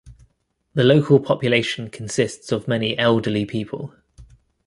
The local population consists of many elderly people.